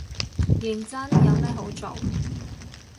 認真，有咩好做